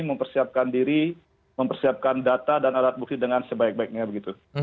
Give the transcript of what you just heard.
mempersiapkan diri mempersiapkan data dan alat bukti dengan sebaik baiknya begitu